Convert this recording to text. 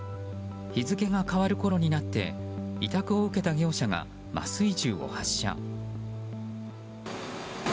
日付が変わるころになって委託を受けた業者が麻酔銃を発射。